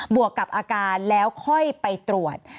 วกกับอาการแล้วค่อยไปตรวจ